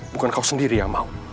bukan kau sendiri yang mau